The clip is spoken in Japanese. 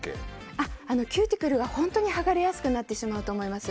キューティクルが本当に剥がれやすくなってしまうと思います。